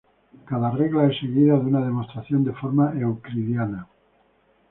Cada regla es seguida de una demostración de forma euclidiana.